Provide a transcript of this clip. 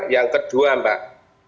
yang kedua mbak